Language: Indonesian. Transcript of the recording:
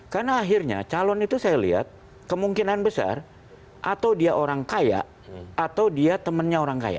karena akhirnya calon itu saya lihat kemungkinan besar atau dia orang kaya atau dia temennya orang kaya